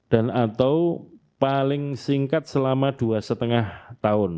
dan atau paling singkat selama dua setengah tahun